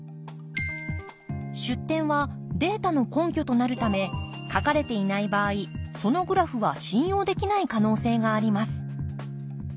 出典はデータの根拠となるため書かれていない場合そのグラフは信用できない可能性があります。